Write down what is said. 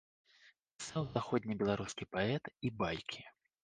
Пісаў заходнебеларускі паэт і байкі.